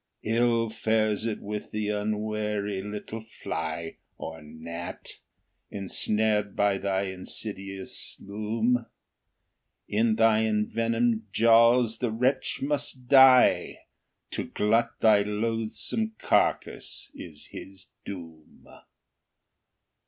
Ill fares it with the unwary little fly, Or gnat, ensnared by thy insidious loom; In thy envenomed jaws the wretch must die ; To glut thy loathsome carcass is his doom!